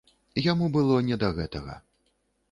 Яму было не да гэтага.